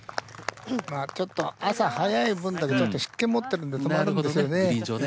まあちょっと朝早い分だけちょっと湿気持ってるんで止まるんですよね。